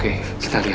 bangun lagi ya